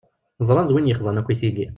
Ẓran d win yexḍan akk i tigi.